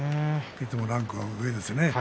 いつもランクが上ですね。